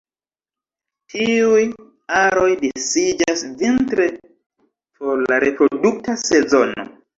Tiuj aroj disiĝas vintre por la reprodukta sezono.